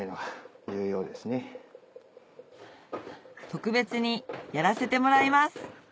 特別にやらせてもらいます